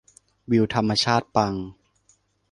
วิวธรรมชาติปัง